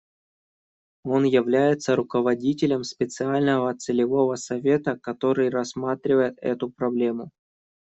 Он является руководителем специального целевого совета, который рассматривает эту проблему.